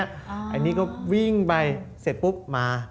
อันนี้ก็วิ่งไปเสร็จปุ๊บมา